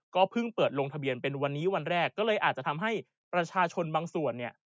เพิ่งเปิดลงทะเบียนเป็นวันนี้วันแรกก็เลยอาจจะทำให้ประชาชนบางส่วนเนี่ย